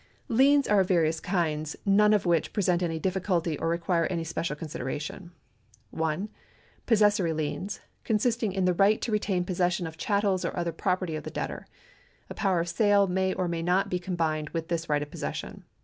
^ Liens are of various kinds, none of which present any difficulty or require any special consideration. 1. Possessory liens — consisting in the right to retain possession of chattels or other property of the debtor. A power of sale may or may not be combined with this right of possession.